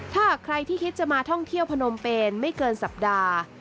ถ้าหากใครที่คิดจะมาท่องเที่ยวพนมเปนไม่เกินสัปดาห์